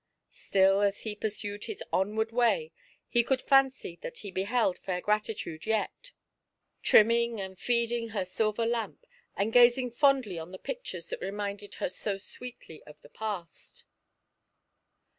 Still as he pursued his onward way, he could fancy that he beheld Fair Gratitude yet, trimming and feeding her FAIR GRATITUDE. silver lamp, and gazing fondly on the pictures that reminded her so sweetly of the past.